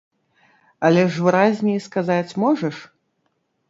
Але ж выразней сказаць можаш?